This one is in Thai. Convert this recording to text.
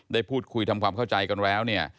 ได้พูดคุยทำความเข้าใจกันแล้วเนี่ย